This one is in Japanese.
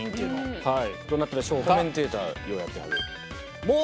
どなたでしょうか？